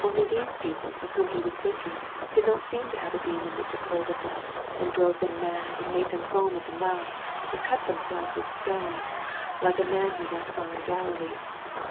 Only these people of whom he was thinking did not seem to have a demon that took hold of them and drove them mad and made them foam at the mouth and cut themselves with stones, like a man he once saw in Galilee.